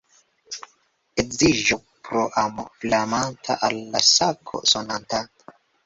Edziĝo pro amo flamanta al la sako sonanta.